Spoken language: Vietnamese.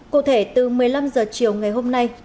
cụ thể từ một mươi năm h chiều ngày hôm nay